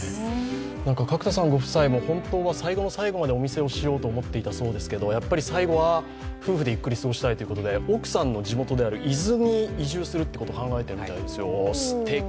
角田さんご夫妻も本当は最後の最後までお店をしようと思ってたそうですけどやっぱり最後は夫婦でゆっくり過ごしたいということで奥さんの地元である伊豆に移住することを考えていらっしゃるようですよ。